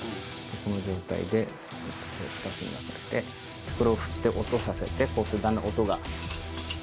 この状態でこれ２つになってこれを振って音させてこうするとだんだん音が。